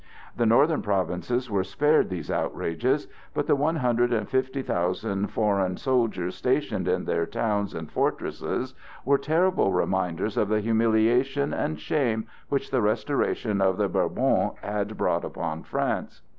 The northern provinces were spared these outrages, but the one hundred and fifty thousand foreign soldiers stationed in their towns and fortresses were terrible reminders of the humiliation and shame which the restoration of the Bourbons had brought upon France.